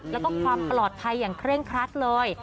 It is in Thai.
แล้วก็ความปลอดภัยอย่างเคร่งครัดเลย